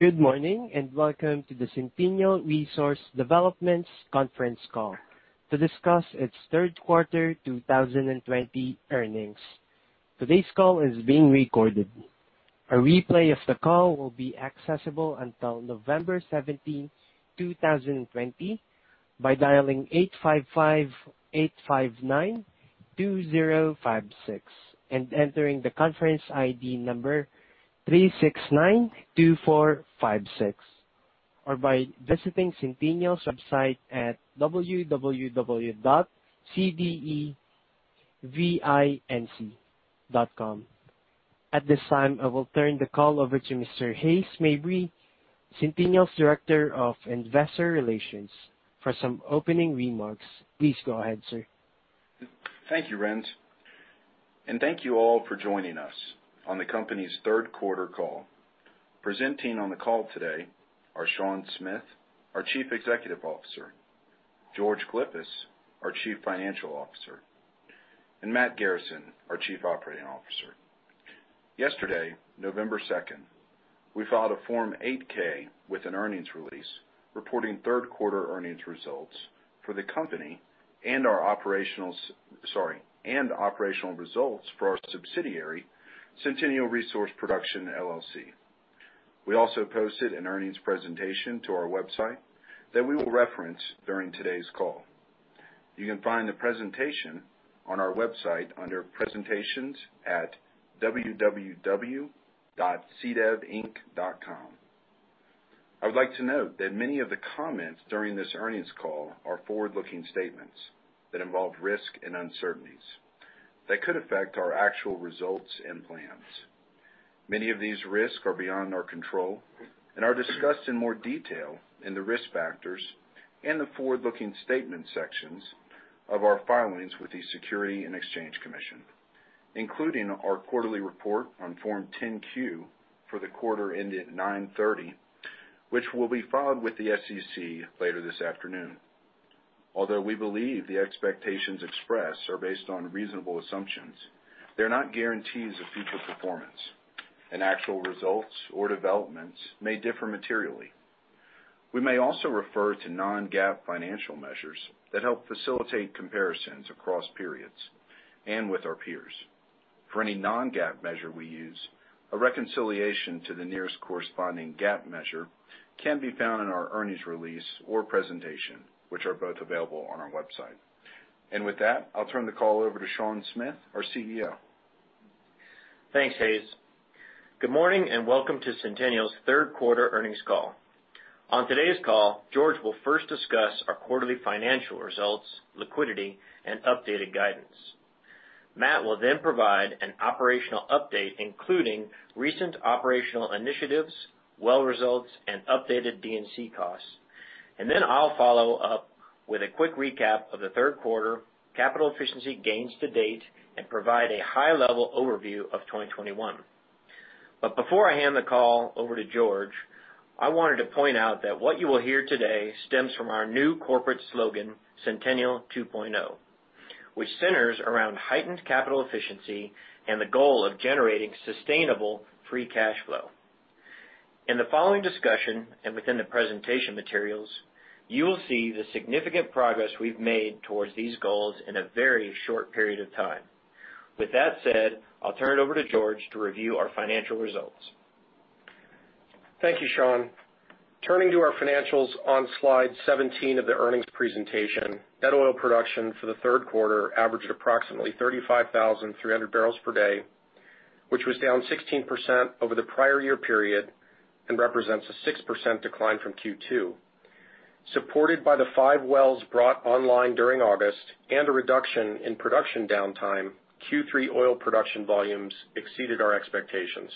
Good morning, and welcome to the Centennial Resource Development conference call to discuss its third quarter 2020 earnings. Today's call is being recorded. At this time, I will turn the call over to Mr. Hays Mabry, Centennial's Director of Investor Relations for some opening remarks. Please go ahead, sir. Thank you, Rens, and thank you all for joining us on the company's third quarter call. Presenting on the call today are Sean Smith, our Chief Executive Officer, George Glyphis, our Chief Financial Officer, and Matt Garrison, our Chief Operating Officer. Yesterday, November 2nd, we filed a Form 8-K with an earnings release reporting third quarter earnings results for the company and our operational results for our subsidiary, Centennial Resource Production, LLC. We also posted an earnings presentation to our website that we will reference during today's call. You can find the presentation on our website under presentations at www.cdevinc.com. I would like to note that many of the comments during this earnings call are forward-looking statements that involve risk and uncertainties that could affect our actual results and plans. Many of these risks are beyond our control and are discussed in more detail in the risk factors and the forward-looking statement sections of our filings with the Securities and Exchange Commission, including our quarterly report on Form 10-Q for the quarter ended 9/30, which will be filed with the SEC later this afternoon. Although we believe the expectations expressed are based on reasonable assumptions, they're not guarantees of future performance, and actual results or developments may differ materially. We may also refer to non-GAAP financial measures that help facilitate comparisons across periods and with our peers. For any non-GAAP measure we use, a reconciliation to the nearest corresponding GAAP measure can be found in our earnings release or presentation, which are both available on our website. With that, I'll turn the call over to Sean Smith, our Chief Executive Officer. Thanks, Hays. Good morning, and welcome to Centennial's third quarter earnings call. On today's call, George will first discuss our quarterly financial results, liquidity, and updated guidance. Matt will then provide an operational update, including recent operational initiatives, well results, and updated D&C costs. I'll follow up with a quick recap of the third quarter capital efficiency gains to date and provide a high-level overview of 2021. Before I hand the call over to George, I wanted to point out that what you will hear today stems from our new corporate slogan, Centennial 2.0, which centers around heightened capital efficiency and the goal of generating sustainable free cash flow. In the following discussion and within the presentation materials, you will see the significant progress we've made towards these goals in a very short period of time. With that said, I'll turn it over to George to review our financial results. Thank you, Sean. Turning to our financials on slide 17 of the earnings presentation, net oil production for the third quarter averaged approximately 35,300 bbl per day, which was down 16% over the prior year period and represents a 6% decline from Q2. Supported by the five wells brought online during August and a reduction in production downtime, Q3 oil production volumes exceeded our expectations.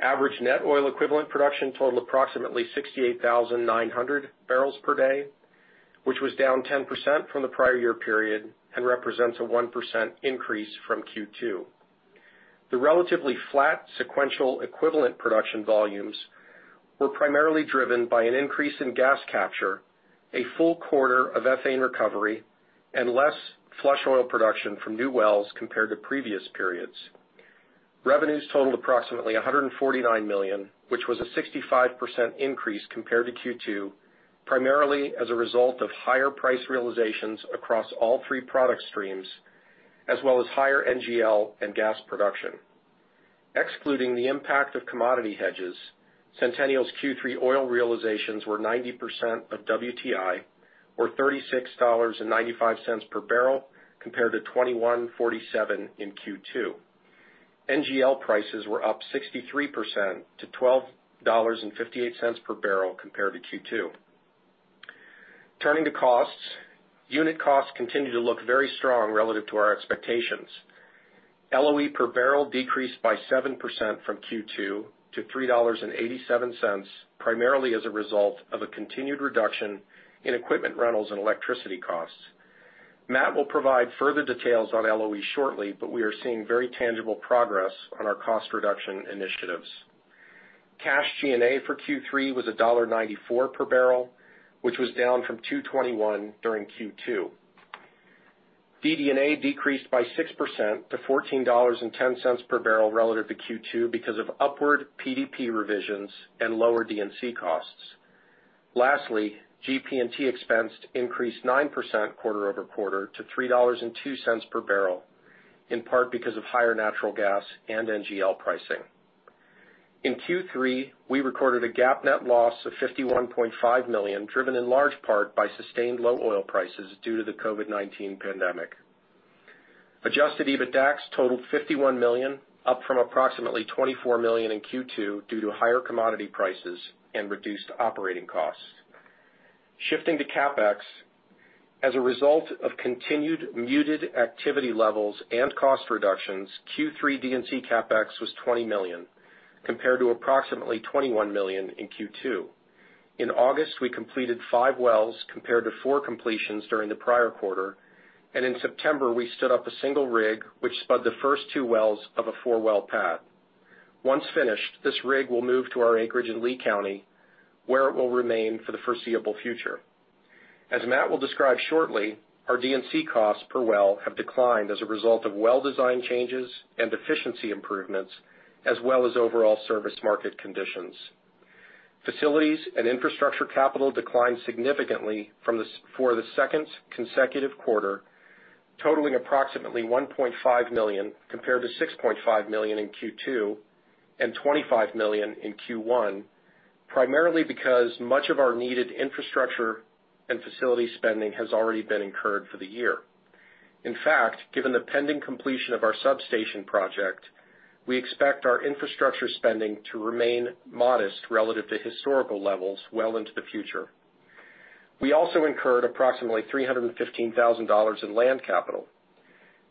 Average net oil equivalent production totaled approximately 68,900 bbl per day, which was down 10% from the prior year period and represents a 1% increase from Q2. The relatively flat sequential equivalent production volumes were primarily driven by an increase in gas capture, a full quarter of ethane recovery, and less flush oil production from new wells compared to previous periods. Revenues totaled approximately $149 million, which was a 65% increase compared to Q2, primarily as a result of higher price realizations across all three product streams, as well as higher NGL and gas production. Excluding the impact of commodity hedges, Centennial's Q3 oil realizations were 90% of WTI, or $36.95 per barrel, compared to $21.47 in Q2. NGL prices were up 63% to $12.58 per barrel compared to Q2. Turning to costs. Unit costs continue to look very strong relative to our expectations. LOE per barrel decreased by 7% from Q2 to $3.87, primarily as a result of a continued reduction in equipment rentals and electricity costs. Matt will provide further details on LOE shortly, but we are seeing very tangible progress on our cost reduction initiatives. Cash G&A for Q3 was $1.94 per barrel, which was down from $2.21 during Q2. DD&A decreased by 6% to $14.10 per barrel relative to Q2 because of upward PDP revisions and lower D&C costs. Lastly, GP&T expense increased 9% quarter-over-quarter to $3.02 per barrel, in part because of higher natural gas and NGL pricing. In Q3, we recorded a GAAP net loss of $51.5 million, driven in large part by sustained low oil prices due to the COVID-19 pandemic. Adjusted EBITDAX totaled $51 million, up from approximately $24 million in Q2 due to higher commodity prices and reduced operating costs. Shifting to CapEx, as a result of continued muted activity levels and cost reductions, Q3 D&C CapEx was $20 million, compared to approximately $21 million in Q2. In August, we completed five wells compared to four completions during the prior quarter. In September, we stood up a single rig, which spud the first two wells of a four-well pad. Once finished, this rig will move to our acreage in Lea County, where it will remain for the foreseeable future. As Matt will describe shortly, our D&C costs per well have declined as a result of well design changes and efficiency improvements, as well as overall service market conditions. Facilities and infrastructure capital declined significantly for the second consecutive quarter, totaling approximately $1.5 million, compared to $6.5 million in Q2 and $25 million in Q1, primarily because much of our needed infrastructure and facility spending has already been incurred for the year. In fact, given the pending completion of our substation project, we expect our infrastructure spending to remain modest relative to historical levels well into the future. We also incurred approximately $315,000 in land capital.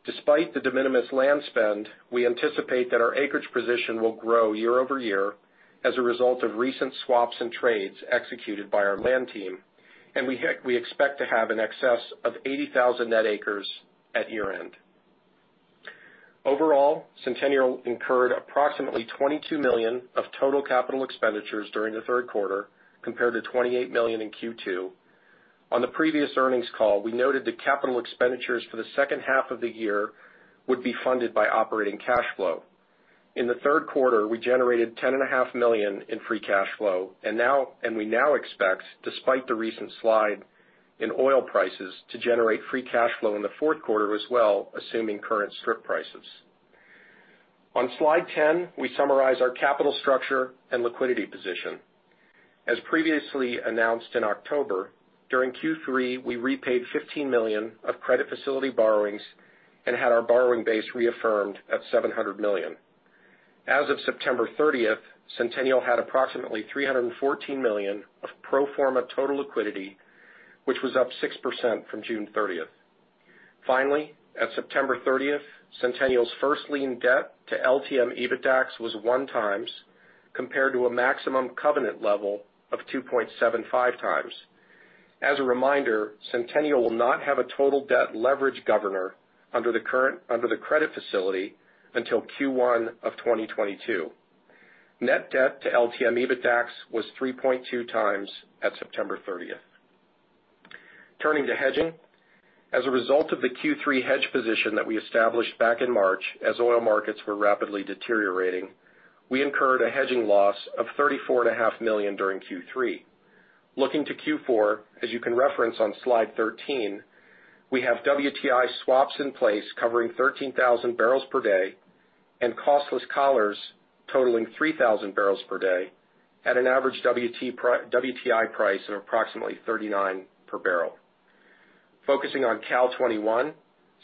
Despite the de minimis land spend, we anticipate that our acreage position will grow year-over-year as a result of recent swaps and trades executed by our land team. We expect to have an excess of 80,000 net acres at year-end. Overall, Centennial incurred approximately $22 million of total capital expenditures during the third quarter, compared to $28 million in Q2. On the previous earnings call, we noted that capital expenditures for the second half of the year would be funded by operating cash flow. In the third quarter, we generated $10.5 million in free cash flow, and we now expect, despite the recent slide in oil prices, to generate free cash flow in the fourth quarter as well, assuming current strip prices. On slide 10, we summarize our capital structure and liquidity position. As previously announced in October, during Q3, we repaid $15 million of credit facility borrowings and had our borrowing base reaffirmed at $700 million. As of September 30th, Centennial had approximately $314 million of pro forma total liquidity, which was up 6% from June 30th. Finally, at September 30th, Centennial's first lien debt to LTM EBITDAX was 1x, compared to a maximum covenant level of 2.75x. As a reminder, Centennial will not have a total debt leverage governor under the credit facility until Q1 of 2022. Net debt to LTM EBITDAX was 3.2x at September 30th. Turning to hedging. As a result of the Q3 hedge position that we established back in March as oil markets were rapidly deteriorating, we incurred a hedging loss of $34.5 million during Q3. Looking to Q4, as you can reference on slide 13, we have WTI swaps in place covering 13,000 bbl per day and costless collars totaling 3,000 bbl per day at an average WTI price of approximately $39 per barrel. Focusing on Cal-2021,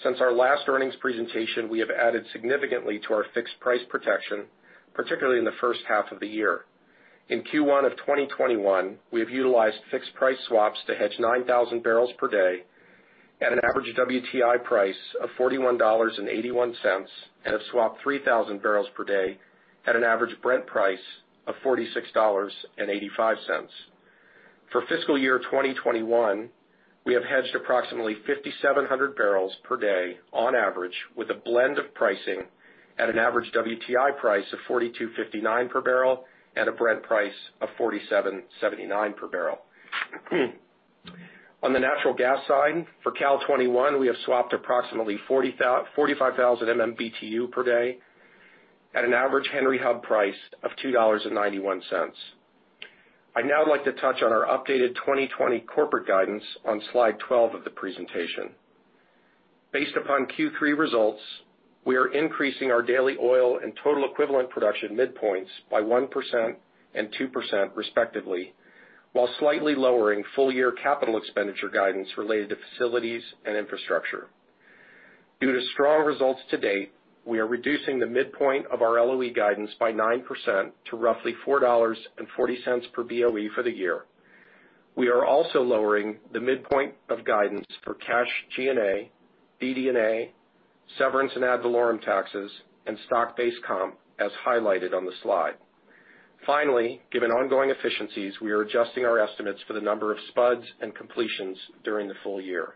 since our last earnings presentation, we have added significantly to our fixed price protection, particularly in the first half of the year. In Q1 of 2021, we have utilized fixed price swaps to hedge 9,000 bbl per day at an average WTI price of $41.81, and have swapped 3,000 bbl per day at an average Brent price of $46.85. For fiscal year 2021, we have hedged approximately 5,700 bbl per day on average with a blend of pricing at an average WTI price of $42.59 per barrel and a Brent price of $47.79 per barrel. On the natural gas side, for Cal-2021, we have swapped approximately 45,000 MMBtu per day at an average Henry Hub price of $2.91. I'd now like to touch on our updated 2020 corporate guidance on slide 12 of the presentation. Based upon Q3 results, we are increasing our daily oil and total equivalent production midpoints by 1% and 2% respectively, while slightly lowering full-year capital expenditure guidance related to facilities and infrastructure. Due to strong results to date, we are reducing the midpoint of our LOE guidance by 9% to roughly $4.40 per BOE for the year. We are also lowering the midpoint of guidance for cash G&A, DD&A, severance and ad valorem taxes, and stock-based comp, as highlighted on the slide. Finally, given ongoing efficiencies, we are adjusting our estimates for the number of spuds and completions during the full year.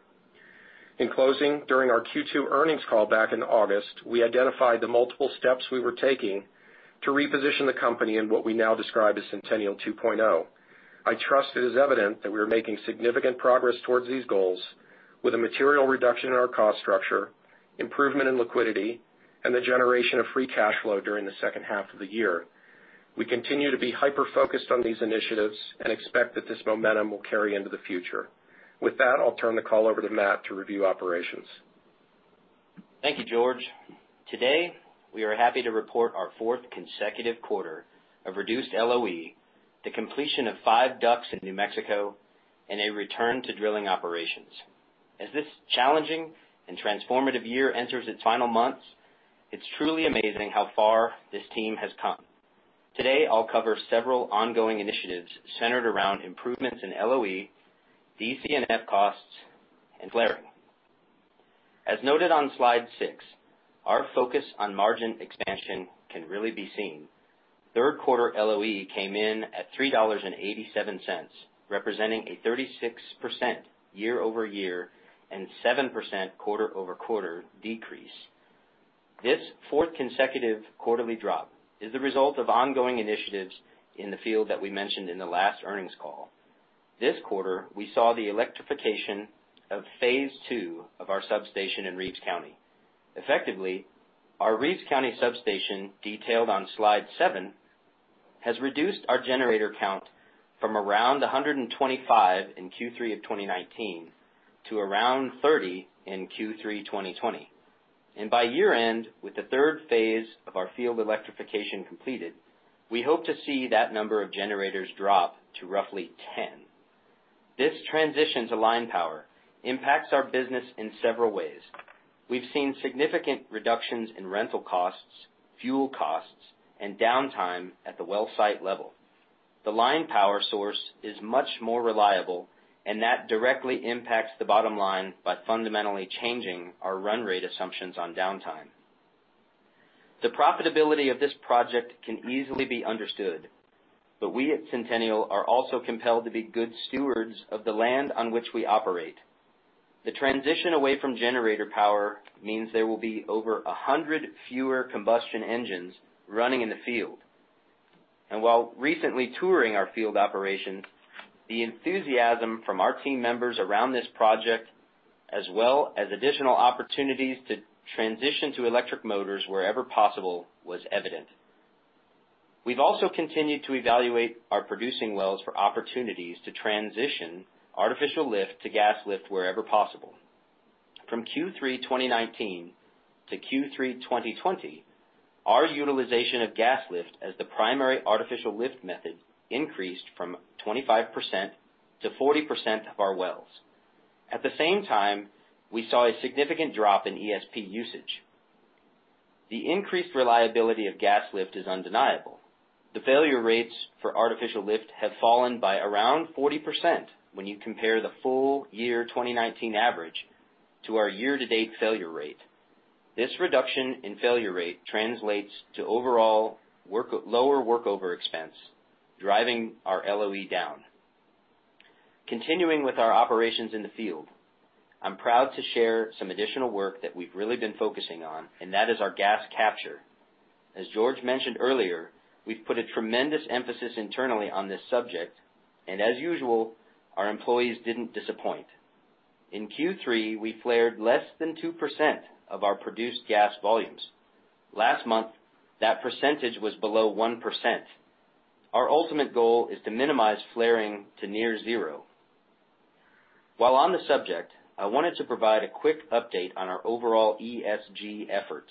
In closing, during our Q2 earnings call back in August, we identified the multiple steps we were taking to reposition the company in what we now describe as Centennial 2.0. I trust it is evident that we are making significant progress towards these goals. With a material reduction in our cost structure, improvement in liquidity, and the generation of free cash flow during the second half of the year. We continue to be hyper-focused on these initiatives and expect that this momentum will carry into the future. With that, I'll turn the call over to Matt to review operations. Thank you, George. Today, we are happy to report our fourth consecutive quarter of reduced LOE, the completion of five DUCs in New Mexico, and a return to drilling operations. As this challenging and transformative year enters its final months, it's truly amazing how far this team has come. Today, I'll cover several ongoing initiatives centered around improvements in LOE, DC&F costs, and flaring. As noted on slide six, our focus on margin expansion can really be seen. Third quarter LOE came in at $3.87, representing a 36% year-over-year and 7% quarter-over-quarter decrease. This fourth consecutive quarterly drop is the result of ongoing initiatives in the field that we mentioned in the last earnings call. This quarter, we saw the electrification of phase two of our substation in Reeves County. Effectively, our Reeves County substation, detailed on slide seven, has reduced our generator count from around 125 in Q3 2019 to around 30 in Q3 2020. By year-end, with the third phase of our field electrification completed, we hope to see that number of generators drop to roughly 10. This transition to line power impacts our business in several ways. We've seen significant reductions in rental costs, fuel costs, and downtime at the well site level. The line power source is much more reliable, and that directly impacts the bottom line by fundamentally changing our run rate assumptions on downtime. The profitability of this project can easily be understood, but we at Centennial are also compelled to be good stewards of the land on which we operate. The transition away from generator power means there will be over 100 fewer combustion engines running in the field. While recently touring our field operations, the enthusiasm from our team members around this project, as well as additional opportunities to transition to electric motors wherever possible, was evident. We've also continued to evaluate our producing wells for opportunities to transition artificial lift to gas lift wherever possible. From Q3 2019 to Q3 2020, our utilization of gas lift as the primary artificial lift method increased from 25% to 40% of our wells. At the same time, we saw a significant drop in ESP usage. The increased reliability of gas lift is undeniable. The failure rates for artificial lift have fallen by around 40% when you compare the full year 2019 average to our year-to-date failure rate. This reduction in failure rate translates to overall lower workover expense, driving our LOE down. Continuing with our operations in the field, I'm proud to share some additional work that we've really been focusing on, and that is our gas capture. As George mentioned earlier, we've put a tremendous emphasis internally on this subject, and as usual, our employees didn't disappoint. In Q3, we flared less than 2% of our produced gas volumes. Last month, that percentage was below 1%. Our ultimate goal is to minimize flaring to near zero. While on the subject, I wanted to provide a quick update on our overall ESG effort.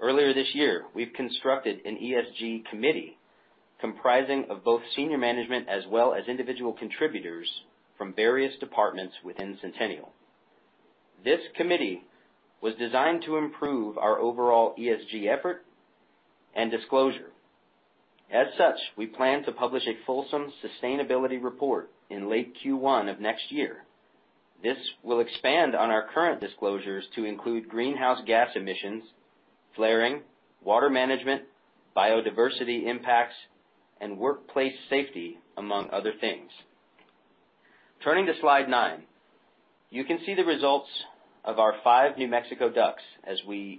Earlier this year, we've constructed an ESG committee comprising of both senior management as well as individual contributors from various departments within Centennial. This committee was designed to improve our overall ESG effort and disclosure. As such, we plan to publish a fulsome sustainability report in late Q1 of next year. This will expand on our current disclosures to include greenhouse gas emissions, flaring, water management, biodiversity impacts, and workplace safety, among other things. Turning to slide nine. You can see the results of our five New Mexico DUCs,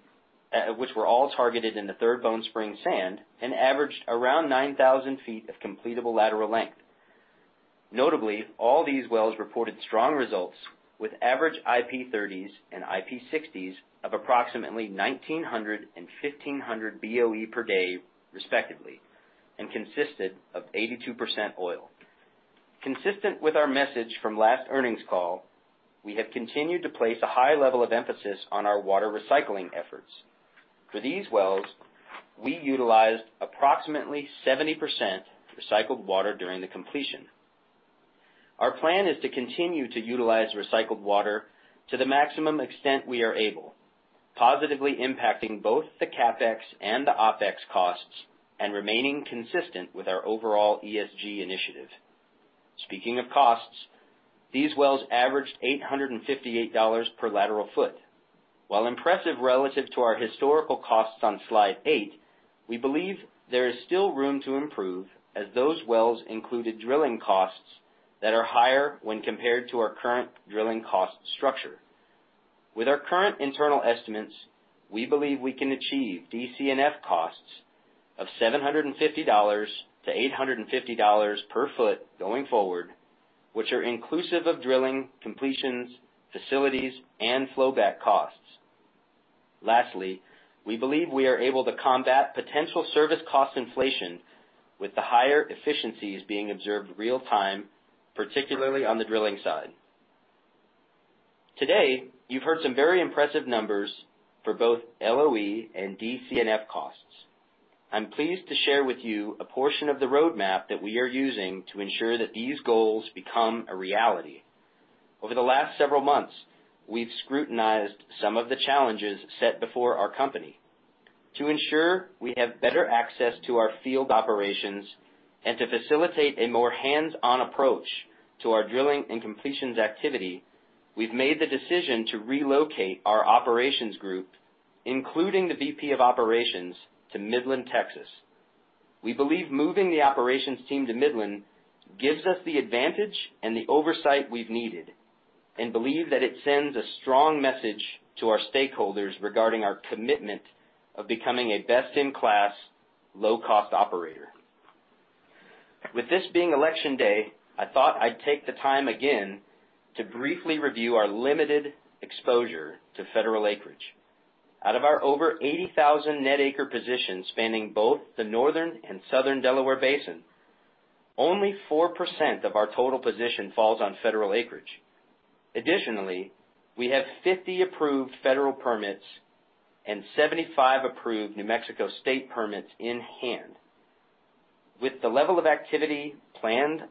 which were all targeted in the Third Bone Spring Sand and averaged around 9,000 ft of completable lateral length. Notably, all these wells reported strong results with average IP30s and IP60s of approximately 1,900 and 1,500 BOE per day, respectively, and consisted of 82% oil. Consistent with our message from last earnings call, we have continued to place a high level of emphasis on our water recycling efforts. For these wells, we utilized approximately 70% recycled water during the completion. Our plan is to continue to utilize recycled water to the maximum extent we are able, positively impacting both the CapEx and the OpEx costs and remaining consistent with our overall ESG initiative. Speaking of costs, these wells averaged $858 per lateral foot. While impressive relative to our historical costs on Slide eight, we believe there is still room to improve as those wells included drilling costs that are higher when compared to our current drilling cost structure. With our current internal estimates, we believe we can achieve DC&F costs of $750-$850 per foot going forward, which are inclusive of drilling, completions, facilities, and flowback costs. Lastly, we believe we are able to combat potential service cost inflation with the higher efficiencies being observed real time, particularly on the drilling side. Today, you've heard some very impressive numbers for both LOE and DC&F costs. I'm pleased to share with you a portion of the roadmap that we are using to ensure that these goals become a reality. Over the last several months, we've scrutinized some of the challenges set before our company. To ensure we have better access to our field operations and to facilitate a more hands-on approach to our drilling and completions activity, we've made the decision to relocate our operations group, including the Vice President of Operations, to Midland, Texas. We believe moving the operations team to Midland gives us the advantage and the oversight we've needed, and believe that it sends a strong message to our stakeholders regarding our commitment of becoming a best-in-class, low-cost operator. With this being Election Day, I thought I'd take the time again to briefly review our limited exposure to federal acreage. Out of our over 80,000 net acre position spanning both the northern and southern Delaware Basin, only 4% of our total position falls on federal acreage. Additionally, we have 50 approved federal permits and 75 approved New Mexico State permits in hand. With the level of activity planned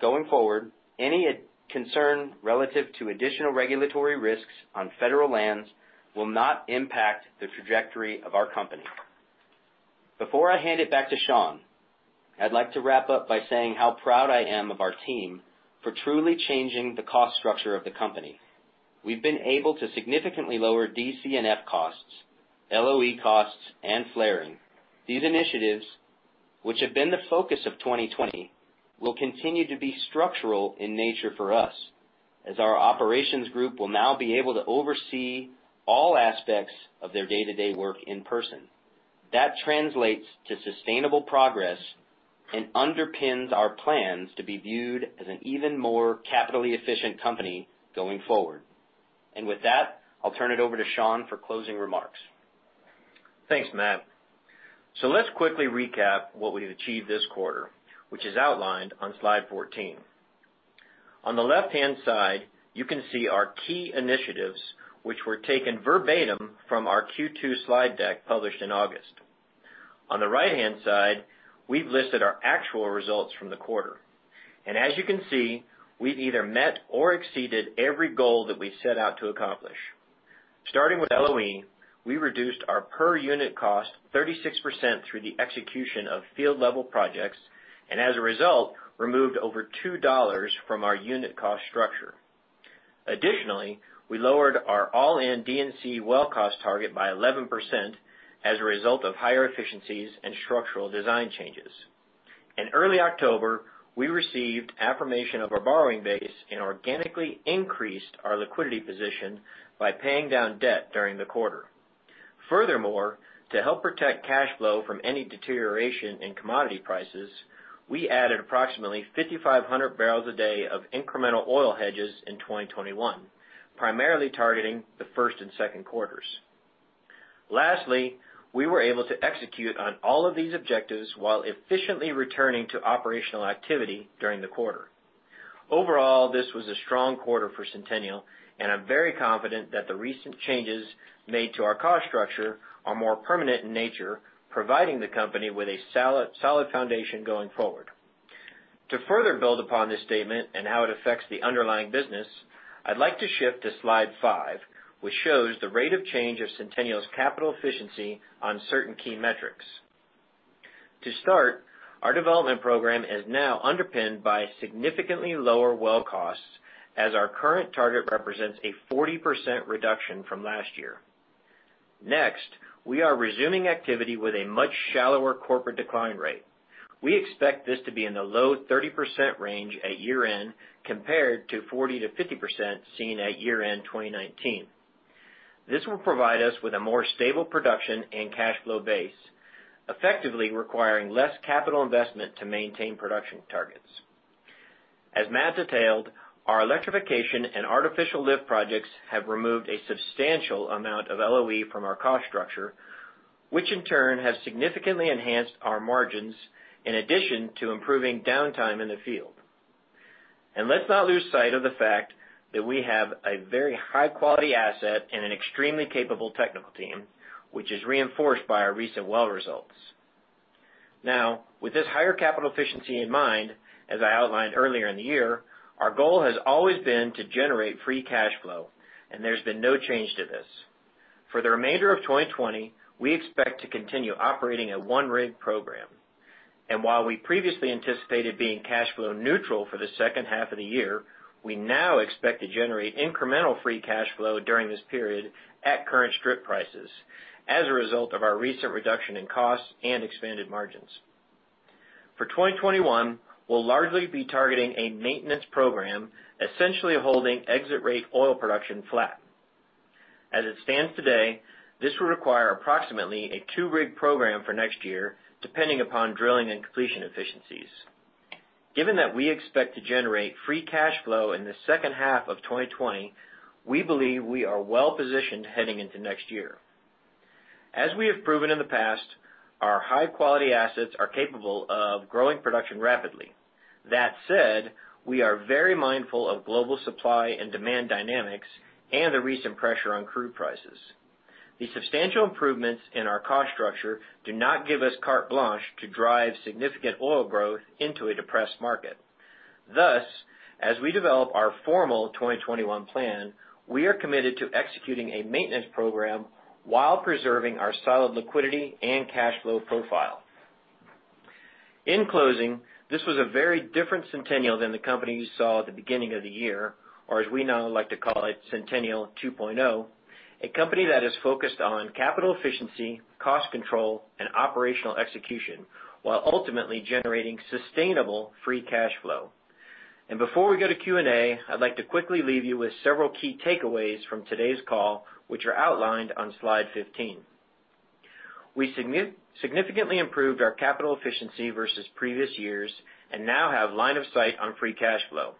going forward, any concern relative to additional regulatory risks on federal lands will not impact the trajectory of our company. Before I hand it back to Sean, I'd like to wrap up by saying how proud I am of our team for truly changing the cost structure of the company. We've been able to significantly lower DC&F costs, LOE costs, and flaring. These initiatives, which have been the focus of 2020, will continue to be structural in nature for us, as our operations group will now be able to oversee all aspects of their day-to-day work in person. That translates to sustainable progress and underpins our plans to be viewed as an even more capitally efficient company going forward. With that, I'll turn it over to Sean for closing remarks. Thanks, Matt. Let's quickly recap what we've achieved this quarter, which is outlined on slide 14. On the left-hand side, you can see our key initiatives, which were taken verbatim from our Q2 slide deck published in August. On the right-hand side, we've listed our actual results from the quarter. As you can see, we've either met or exceeded every goal that we set out to accomplish. Starting with LOE, we reduced our per unit cost 36% through the execution of field-level projects, and as a result, removed over $2 from our unit cost structure. Additionally, we lowered our all-in D&C well cost target by 11% as a result of higher efficiencies and structural design changes. In early October, we received affirmation of our borrowing base and organically increased our liquidity position by paying down debt during the quarter. Furthermore, to help protect cash flow from any deterioration in commodity prices, we added approximately 5,500 bbl a day of incremental oil hedges in 2021, primarily targeting the first and second quarters. We were able to execute on all of these objectives while efficiently returning to operational activity during the quarter. Overall, this was a strong quarter for Centennial, and I'm very confident that the recent changes made to our cost structure are more permanent in nature, providing the company with a solid foundation going forward. To further build upon this statement and how it affects the underlying business, I'd like to shift to slide five, which shows the rate of change of Centennial's capital efficiency on certain key metrics. To start, our development program is now underpinned by significantly lower well costs as our current target represents a 40% reduction from last year. Next, we are resuming activity with a much shallower corporate decline rate. We expect this to be in the low 30% range at year end, compared to 40%-50% seen at year end 2019. This will provide us with a more stable production and cash flow base, effectively requiring less capital investment to maintain production targets. As Matt detailed, our electrification and artificial lift projects have removed a substantial amount of LOE from our cost structure, which in turn has significantly enhanced our margins in addition to improving downtime in the field. Let's not lose sight of the fact that we have a very high-quality asset and an extremely capable technical team, which is reinforced by our recent well results. Now, with this higher capital efficiency in mind, as I outlined earlier in the year, our goal has always been to generate free cash flow, and there's been no change to this. For the remainder of 2020, we expect to continue operating a one-rig program. While we previously anticipated being cash flow neutral for the second half of the year, we now expect to generate incremental free cash flow during this period at current strip prices as a result of our recent reduction in costs and expanded margins. For 2021, we'll largely be targeting a maintenance program, essentially holding exit rate oil production flat. As it stands today, this will require approximately a two-rig program for next year, depending upon drilling and completion efficiencies. Given that we expect to generate free cash flow in the second half of 2020, we believe we are well-positioned heading into next year. As we have proven in the past, our high-quality assets are capable of growing production rapidly. That said, we are very mindful of global supply and demand dynamics and the recent pressure on crude prices. The substantial improvements in our cost structure do not give us carte blanche to drive significant oil growth into a depressed market. Thus, as we develop our formal 2021 plan, we are committed to executing a maintenance program while preserving our solid liquidity and cash flow profile. In closing, this was a very different Centennial than the company you saw at the beginning of the year, or as we now like to call it, Centennial 2.0, a company that is focused on capital efficiency, cost control, and operational execution, while ultimately generating sustainable free cash flow. Before we go to Q&A, I'd like to quickly leave you with several key takeaways from today's call, which are outlined on slide 15. We significantly improved our capital efficiency versus previous years and now have line of sight on free cash flow.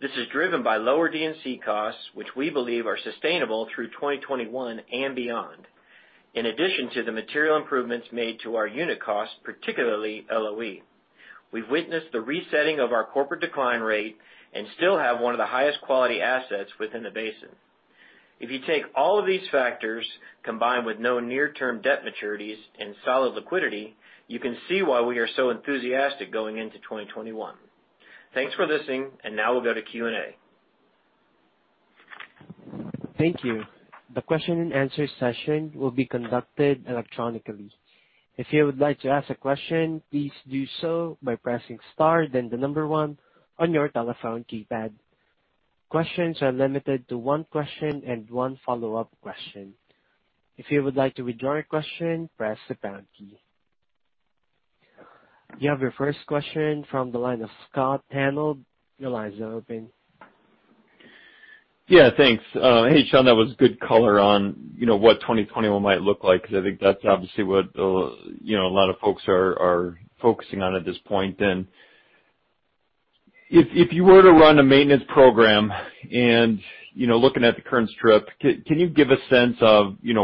This is driven by lower D&C costs, which we believe are sustainable through 2021 and beyond. In addition to the material improvements made to our unit cost, particularly LOE. We've witnessed the resetting of our corporate decline rate and still have one of the highest quality assets within the basin. If you take all of these factors, combined with no near-term debt maturities and solid liquidity, you can see why we are so enthusiastic going into 2021. Thanks for listening, and now we'll go to Q&A. Thank you. The question and answer session will be conducted electronically. If you would like to ask a question, please do so by pressing star then the number one on your telephone keypad. Questions are limited to one question and one follow-up question. If you would like to withdraw your question, press the pound key. You have your first question from the line of Scott Hanold. Your line is now open. Yeah, thanks. Hey, Sean, that was good color on what 2021 might look like, because I think that's obviously what a lot of folks are focusing on at this point. If you were to run a maintenance program and looking at the current strip, can you give a sense of does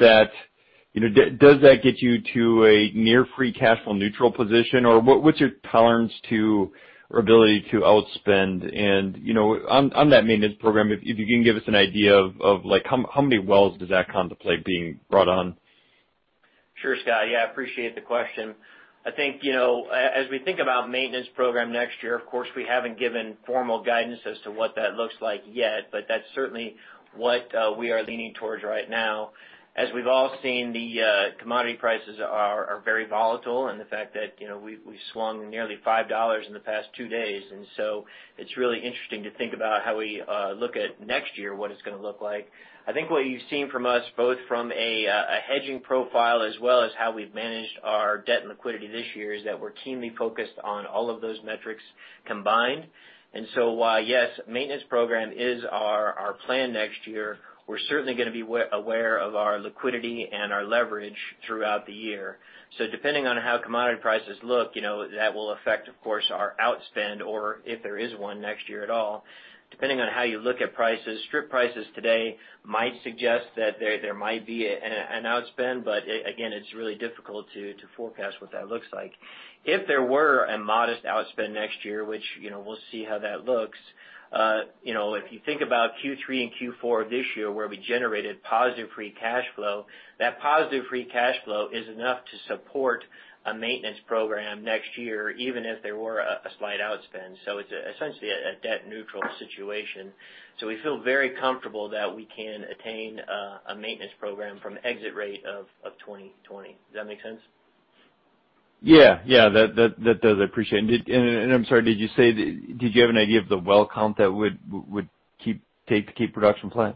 that get you to a near free cash flow neutral position, or what's your tolerance to, or ability to outspend? On that maintenance program, if you can give us an idea of how many wells does that contemplate being brought on? Sure, Scott. Yeah, appreciate the question. I think, as we think about maintenance program next year, of course, we haven't given formal guidance as to what that looks like yet. That's certainly what we are leaning towards right now. As we've all seen, the commodity prices are very volatile, and the fact that we've swung nearly $5 in the past two days. It's really interesting to think about how we look at next year, what it's going to look like. I think what you've seen from us, both from a hedging profile as well as how we've managed our debt and liquidity this year, is that we're keenly focused on all of those metrics combined. While, yes, maintenance program is our plan next year, we're certainly going to be aware of our liquidity and our leverage throughout the year. Depending on how commodity prices look, that will affect, of course, our outspend or if there is one next year at all. Depending on how you look at prices, strip prices today might suggest that there might be an outspend, but again, it's really difficult to forecast what that looks like. If there were a modest outspend next year, which we'll see how that looks. If you think about Q3 and Q4 of this year, where we generated positive free cash flow, that positive free cash flow is enough to support a maintenance program next year, even if there were a slight outspend. It's essentially a debt-neutral situation. We feel very comfortable that we can attain a maintenance program from exit rate of 2020. Does that make sense? Yeah. That does. I appreciate it. I'm sorry, did you have an idea of the well count that would take to keep production plan?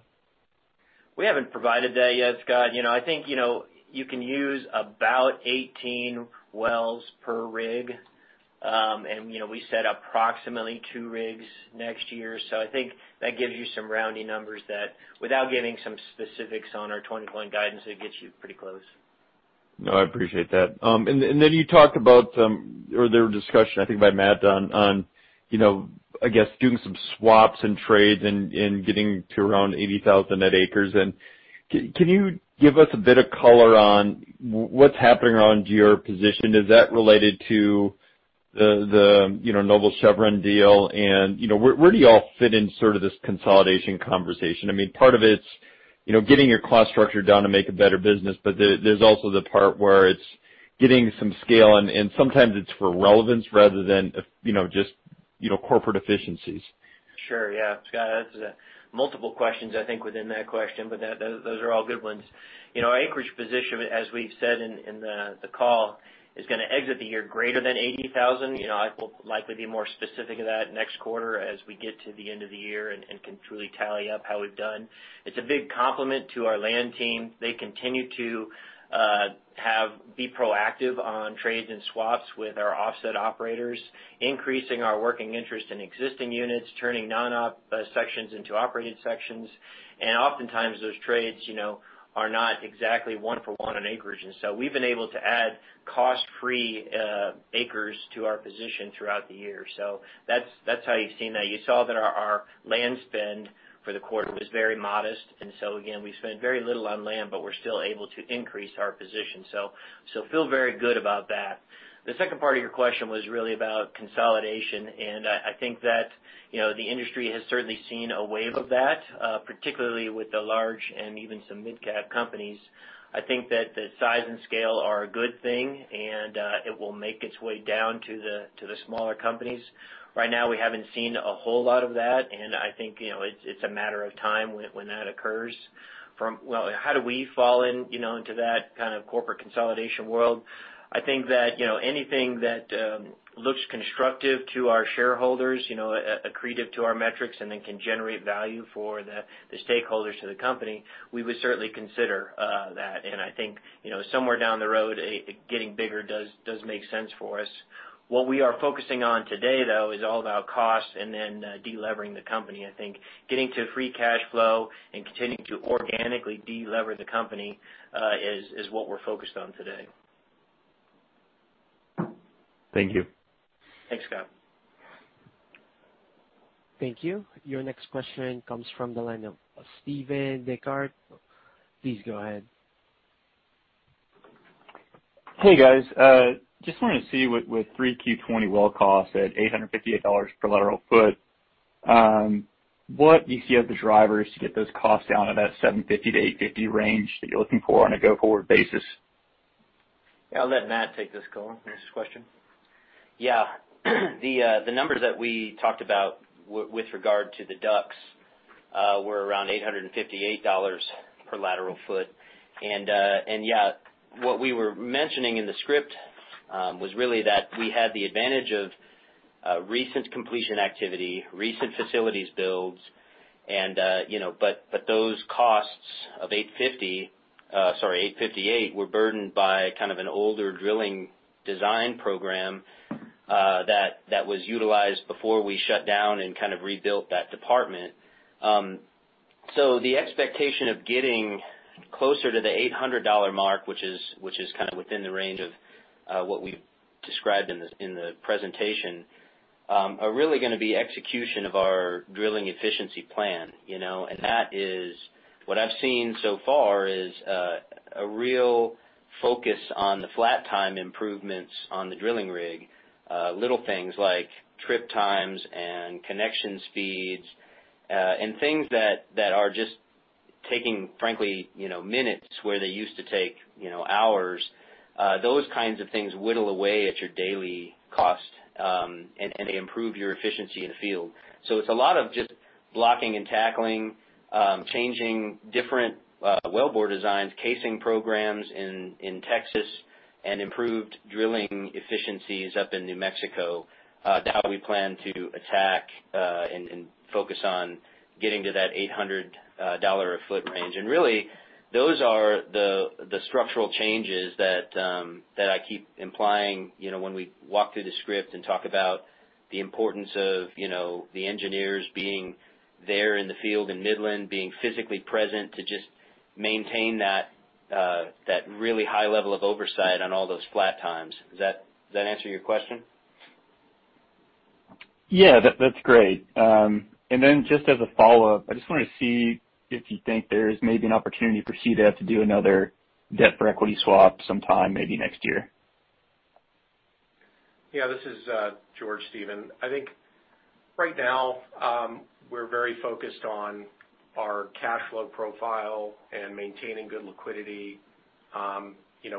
We haven't provided that yet, Scott. I think you can use about 18 wells per rig. We said approximately two rigs next year. I think that gives you some rounding numbers that without giving some specifics on our 2021 guidance, it gets you pretty close. No, I appreciate that. You talked about, or there were discussion, I think, by Matt on I guess doing some swaps and trades and getting to around 80,000 net acres. Can you give us a bit of color on what's happening around your position? Is that related to the Noble-Chevron deal? Where do you all fit in sort of this consolidation conversation? I mean, part of it's getting your cost structure down to make a better business, but there's also the part where it's getting some scale, and sometimes it's for relevance rather than just corporate efficiencies. Sure, yeah. Scott, that's multiple questions, I think, within that question, but those are all good ones. Our acreage position, as we've said in the call, is going to exit the year greater than 80,000 acres. I will likely be more specific of that next quarter as we get to the end of the year and can truly tally up how we've done. It's a big compliment to our land team. They continue to be proactive on trades and swaps with our offset operators, increasing our working interest in existing units, turning non-op sections into operated sections. Oftentimes those trades are not exactly one-for-one on acreage. We've been able to add cost-free acres to our position throughout the year. That's how you've seen that. You saw that our land spend for the quarter was very modest, again, we spend very little on land, we're still able to increase our position. Feel very good about that. The second part of your question was really about consolidation, I think that the industry has certainly seen a wave of that, particularly with the large and even some midcap companies. I think that the size and scale are a good thing and it will make its way down to the smaller companies. Right now, we haven't seen a whole lot of that, I think it's a matter of time when that occurs. How do we fall into that corporate consolidation world? I think that anything that looks constructive to our shareholders, accretive to our metrics, can generate value for the stakeholders to the company, we would certainly consider that. I think, somewhere down the road, getting bigger does make sense for us. What we are focusing on today, though, is all about cost and then de-levering the company. I think getting to free cash flow and continuing to organically de-lever the company is what we're focused on today. Thank you. Thanks, Scott. Thank you. Your next question comes from the line of Stephen Dechert. Please go ahead. Hey, guys. Just wanted to see, with 3Q 2020 well costs at $858 per lateral foot, what do you see are the drivers to get those costs down to that $750-$850 range that you're looking for on a go-forward basis? Yeah, I'll let Matt take this call, this question. The numbers that we talked about with regard to the DUCs were around $858 per lateral foot. What we were mentioning in the script was really that we had the advantage of recent completion activity, recent facilities builds, but those costs of $858 were burdened by an older drilling design program that was utilized before we shut down and rebuilt that department. The expectation of getting closer to the $800 mark, which is within the range of what we've described in the presentation, are really going to be execution of our drilling efficiency plan. That is what I've seen so far is a real focus on the flat time improvements on the drilling rig. Little things like trip times and connection speeds, things that are just taking, frankly, minutes where they used to take hours. Those kinds of things whittle away at your daily cost, and they improve your efficiency in the field. It's a lot of just blocking and tackling, changing different wellbore designs, casing programs in Texas, and improved drilling efficiencies up in New Mexico, how we plan to attack, and focus on getting to that $800 a foot range. Really, those are the structural changes that I keep implying when we walk through the script and talk about the importance of the engineers being there in the field in Midland, being physically present to just maintain that really high level of oversight on all those flat times. Does that answer your question? Yeah. That's great. Just as a follow-up, I just wanted to see if you think there's maybe an opportunity for CDEV to do another debt for equity swap sometime maybe next year. Yeah. This is George, Stephen. I think right now, we're very focused on our cash flow profile and maintaining good liquidity.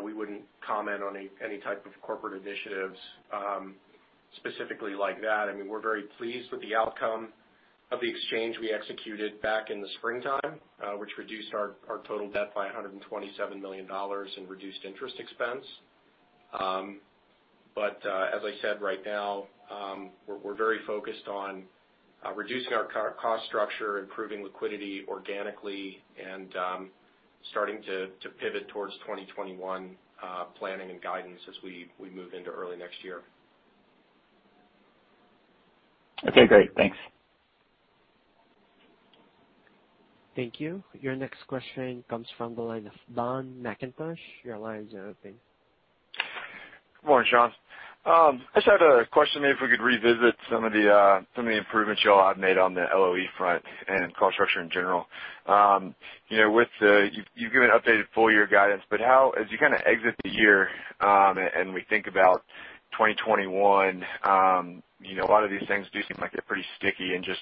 We wouldn't comment on any type of corporate initiatives specifically like that. We're very pleased with the outcome of the exchange we executed back in the springtime, which reduced our total debt by $127 million and reduced interest expense. As I said, right now, we're very focused on reducing our cost structure, improving liquidity organically, and starting to pivot towards 2021 planning and guidance as we move into early next year. Okay, great. Thanks. Thank you. Your next question comes from the line of Dan McIntosh. Your line is open. Good morning, Sean. I just had a question, maybe if we could revisit some of the improvements you all have made on the LOE front and cost structure in general. You've given updated full year guidance, but as you exit the year, and we think about 2021, a lot of these things do seem like they're pretty sticky, and just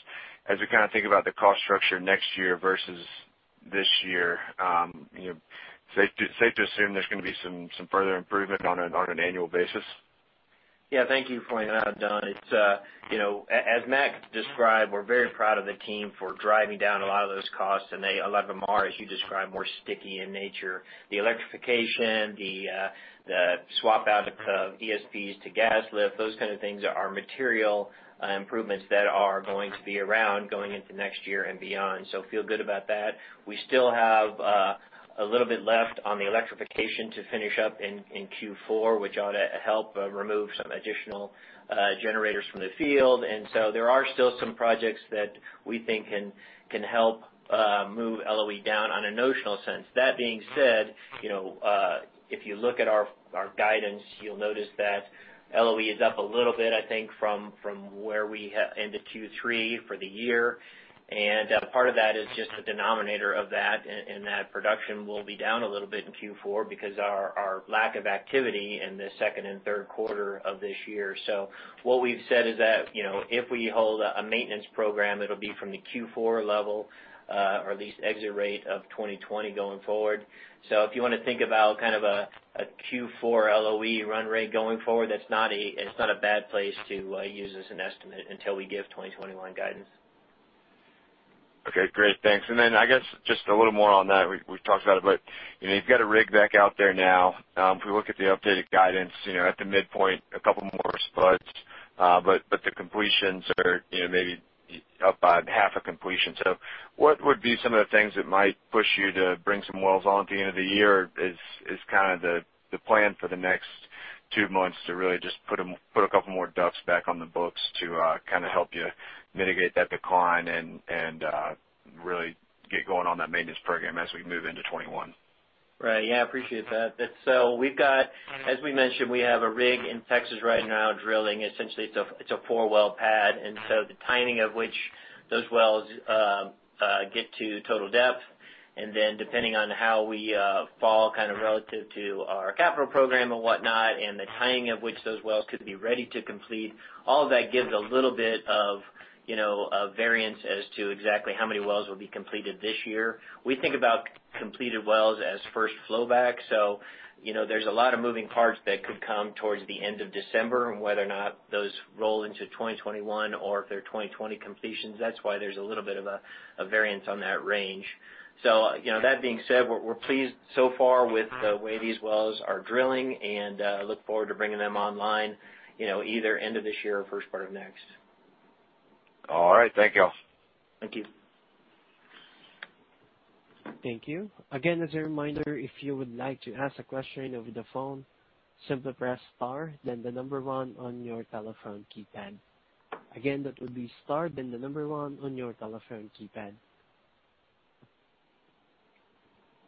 as we think about the cost structure next year versus this year, is it safe to assume there's going to be some further improvement on an annual basis? Yeah. Thank you for pointing that out, Dan. As Matt described, we're very proud of the team for driving down a lot of those costs, and a lot of them are, as you described, more sticky in nature. The electrification, the swap out of ESPs to gas lift, those kind of things are material improvements that are going to be around going into next year and beyond. Feel good about that. We still have a little bit left on the electrification to finish up in Q4, which ought to help remove some additional generators from the field. There are still some projects that we think can help move LOE down on a notional sense. That being said, if you look at our guidance, you'll notice that LOE is up a little bit, I think, from where we end the Q3 for the year. Part of that is just the denominator of that, in that production will be down a little bit in Q4 because our lack of activity in the second and third quarter of this year. What we've said is that, if we hold a maintenance program, it'll be from the Q4 level or at least exit rate of 2020 going forward. If you want to think about a Q4 LOE run rate going forward, it's not a bad place to use as an estimate until we give 2021 guidance. Okay, great. Thanks. Then, I guess just a little more on that. We've talked about it, but you've got a rig back out there now. If we look at the updated guidance, at the midpoint, a couple more spuds, but the completions are maybe up by half a completion. What would be some of the things that might push you to bring some wells on at the end of the year? Is the plan for the next two months to really just put a couple more DUCs back on the books to help you mitigate that decline and really get going on that maintenance program as we move into 2021? Right. Yeah, appreciate that. As we mentioned, we have a rig in Texas right now, drilling. Essentially, it's a four-well pad, and so the timing of which those wells get to total depth, and then depending on how we fall relative to our capital program and whatnot, and the timing of which those wells could be ready to complete, all of that gives a little bit of variance as to exactly how many wells will be completed this year. We think about completed wells as first flowback, so there's a lot of moving parts that could come towards the end of December, and whether or not those roll into 2021 or if they're 2020 completions. That's why there's a little bit of a variance on that range. That being said, we're pleased so far with the way these wells are drilling, and I look forward to bringing them online either end of this year or first part of next. All right. Thank you. Thank you. Thank you. Again, as a reminder, if you would like to ask a question over the phone, simply press star then the number one on your telephone keypad. Again, that would be star then the number one on your telephone keypad.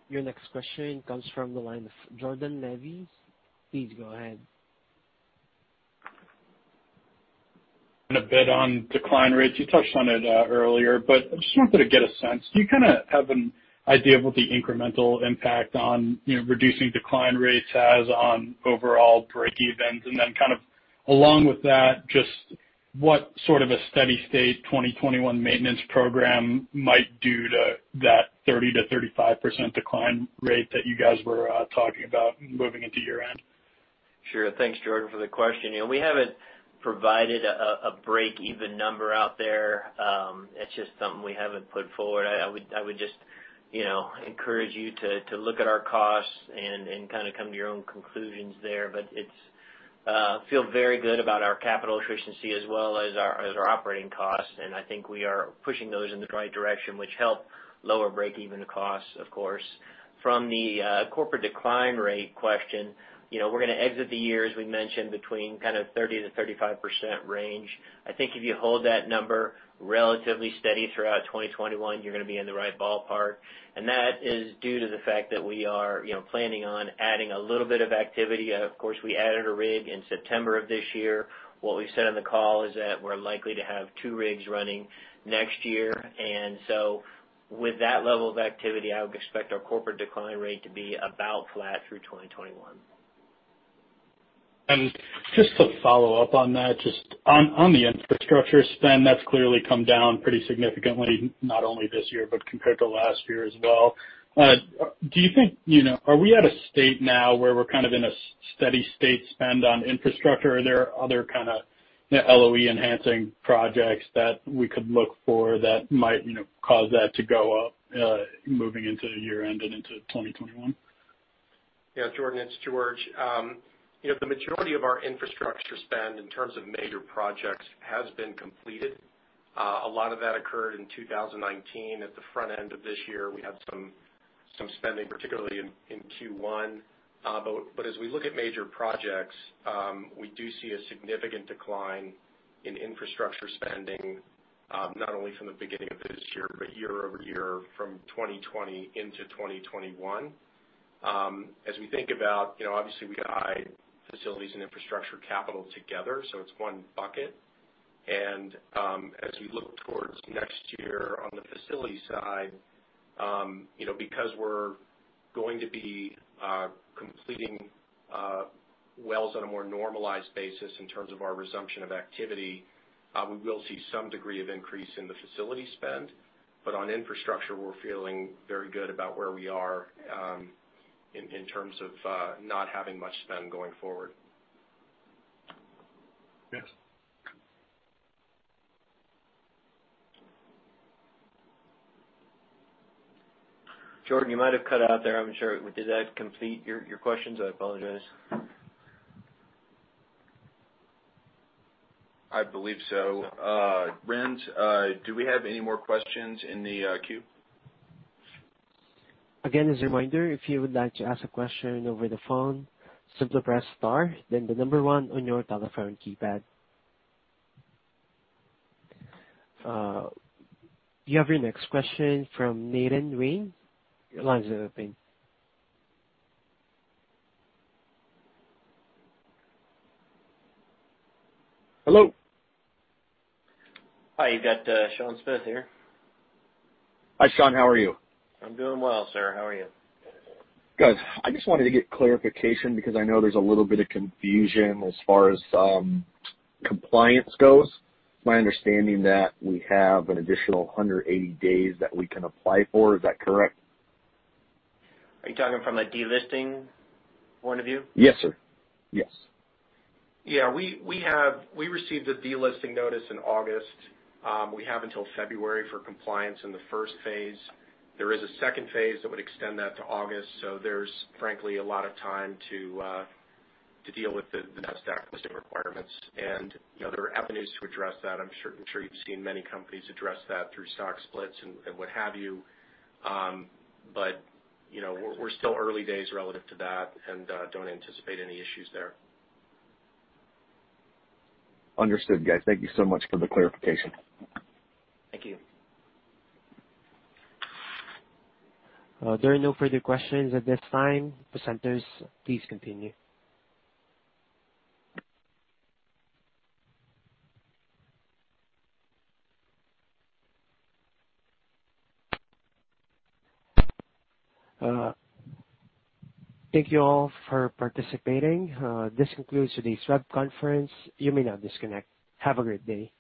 Your next question comes from the line of Jordan Levy. Please go ahead. A bit on decline rates. You touched on it earlier, but I just wanted to get a sense. Do you have an idea of what the incremental impact on reducing decline rates as on overall breakevens? Then along with that, just what sort of a steady state 2021 maintenance program might do to that 30%-35% decline rate that you guys were talking about moving into year-end? Sure. Thanks, Jordan, for the question. We haven't provided a breakeven number out there. It's just something we haven't put forward. I would just encourage you to look at our costs and come to your own conclusions there. Feel very good about our capital efficiency as well as our operating costs. I think we are pushing those in the right direction, which help lower breakeven costs, of course. From the corporate decline rate question, we're going to exit the year, as we mentioned, between 30%-35% range. I think if you hold that number relatively steady throughout 2021, you're going to be in the right ballpark, and that is due to the fact that we are planning on adding a little bit of activity. Of course, we added a rig in September of this year. What we said on the call is that we're likely to have two rigs running next year. With that level of activity, I would expect our corporate decline rate to be about flat through 2021. Just to follow up on that, just on the infrastructure spend, that's clearly come down pretty significantly, not only this year, but compared to last year as well. Are we at a state now where we're in a steady state spend on infrastructure? Are there other kind of LOE-enhancing projects that we could look for that might cause that to go up moving into year-end and into 2021? Yeah, Jordan, it's George. The majority of our infrastructure spend in terms of major projects has been completed. A lot of that occurred in 2019. At the front end of this year, we had some spending, particularly in Q1. As we look at major projects, we do see a significant decline in infrastructure spending, not only from the beginning of this year, but year-over-year from 2020 into 2021. As we think about, obviously, we guide facilities and infrastructure capital together, it's one bucket. As we look towards next year on the facility side, because we're going to be completing wells on a more normalized basis in terms of our resumption of activity, we will see some degree of increase in the facility spend. On infrastructure, we're feeling very good about where we are in terms of not having much spend going forward. Thanks. Jordan, you might have cut out there. I'm not sure. Did that complete your questions? I apologize. I believe so. Rens, do we have any more questions in the queue? Again, as a reminder, if you would like to ask a question over the phone, simply press star then the number one on your telephone keypad. You have your next question from Nathan Wayne. Your line's open. Hello. Hi, you got Sean Smith here. Hi, Sean. How are you? I'm doing well, sir. How are you? Good. I just wanted to get clarification because I know there's a little bit of confusion as far as compliance goes. It's my understanding that we have an additional 180 days that we can apply for. Is that correct? Are you talking from a delisting point of view? Yes, sir. Yes. Yeah. We received a delisting notice in August. We have until February for compliance in the first phase. There is a second phase that would extend that to August, so there's frankly a lot of time to deal with the stock listing requirements. There are avenues to address that. I'm sure you've seen many companies address that through stock splits and what have you. We're still early days relative to that and don't anticipate any issues there. Understood, guys. Thank you so much for the clarification. Thank you. There are no further questions at this time. Presenters, please continue. Thank you all for participating. This concludes today's web conference. You may now disconnect. Have a great day.